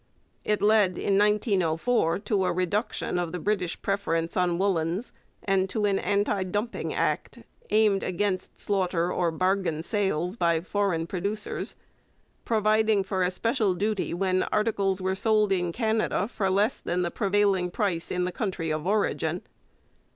It led (1904) to a reduction of the British preference on woollens and to an 'anti dumping act' aimed against slaughter or bargain sales by foreign producers providing for a special duty when articles were sold in Canada for less than the prevailing price in the country of origin.